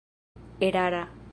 erara